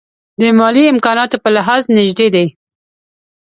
د مالي امکاناتو په لحاظ نژدې دي.